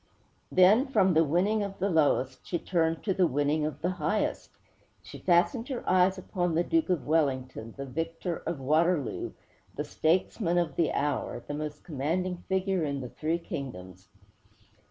Then, from the winning of the lowest, she turned to the winning of the highest. She fastened her eyes upon the Duke of Wellington, the victor of Waterloo, the statesman of the hour, the most commanding figure in the three kingdoms.